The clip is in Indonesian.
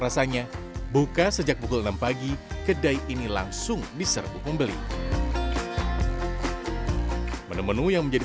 rasanya buka sejak pukul enam pagi kedai ini langsung diserbu pembeli menu menu yang menjadi